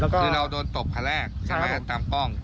คือเราโดนตบครั้งแรกใช่มั้ยตามกล้อง